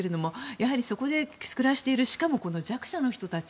やはりそこで暮らしているしかも、弱者の人たち